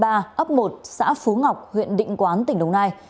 ấp một xã phú ngọc huyện định quán tỉnh đồng nai